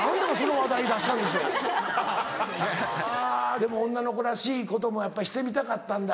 はぁでも女の子らしいこともやっぱりしてみたかったんだ。